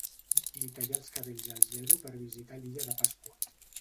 Li talla els cabells al zero per visitar l'illa de Pasqua.